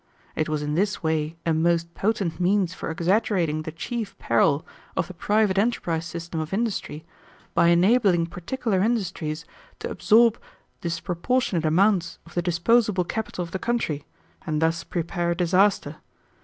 It was in this way a most potent means for exaggerating the chief peril of the private enterprise system of industry by enabling particular industries to absorb disproportionate amounts of the disposable capital of the country, and thus prepare disaster.